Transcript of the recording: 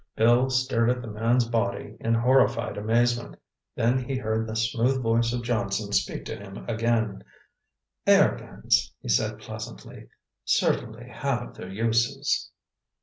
Bill stared at the man's body in horrified amazement. Then he heard the smooth voice of Johnson speak again to him. "Airguns," he said pleasantly, "certainly have their uses."